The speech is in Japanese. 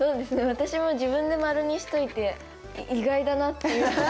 私も自分で○にしといて意外だなって。